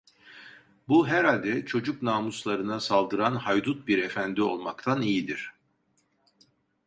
Bu, herhalde çocuk namuslarına saldıran haydut bir efendi olmaktan iyidir.